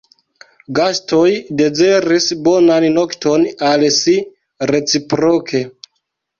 Gastoj deziris bonan nokton al si reciproke.